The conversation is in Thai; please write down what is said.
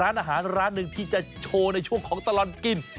ร้านอาหารร้านหนึ่งที่จะโชว์ในช่วงของตลอดกิน